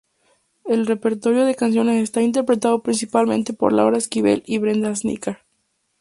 El repertorio de canciones está interpretado principalmente por Laura Esquivel y Brenda Asnicar.